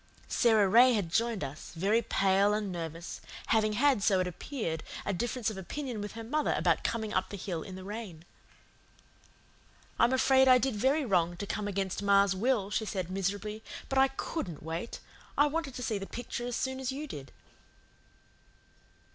Sara Ray had joined us, very pale and nervous, having had, so it appeared, a difference of opinion with her mother about coming up the hill in the rain. "I'm afraid I did very wrong to come against ma's will," she said miserably, "but I COULDN'T wait. I wanted to see the picture as soon as you did."